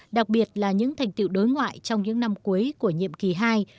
đặc biệt là những thành tiệu đối ngoại trong những năm cuối của nhiệm kỳ hai